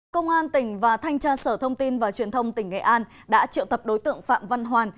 công an tỉnh và thanh tra sở thông tin và truyền thông tỉnh nghệ an đã triệu tập đối tượng phạm văn hoàn